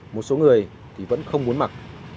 một số người thì vẫn không muốn mặc